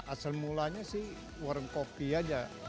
asal mulanya sih warung kopi aja